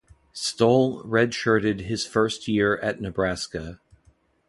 Stoll redshirted his first year at Nebraska.